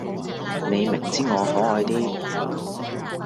你明知我可愛啲